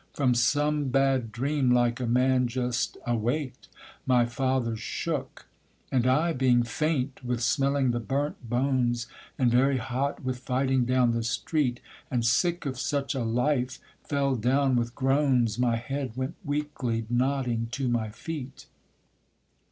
From some bad dream Like a man just awaked, my father shook; And I, being faint with smelling the burnt bones, And very hot with fighting down the street, And sick of such a life, fell down, with groans My head went weakly nodding to my feet.